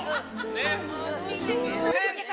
ねっ。